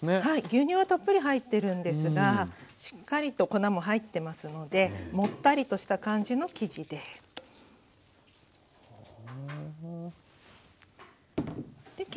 はい牛乳はたっぷり入ってるんですがしっかりと粉も入ってますのでもったりとした感じの生地です。